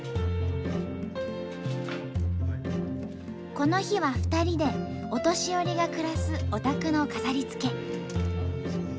この日は２人でお年寄りが暮らすお宅の飾りつけ。